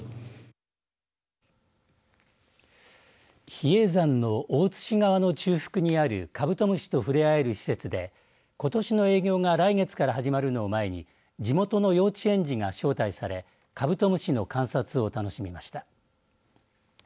比叡山の大津市側の中腹にあるカブトムシと触れ合える施設でことしの営業が来月から始まるのを前に地元の幼稚園児が招待されカブトムシの観察を楽しみました。